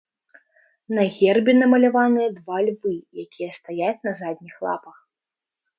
На гербе намаляваныя два львы, якія стаяць на задніх лапах.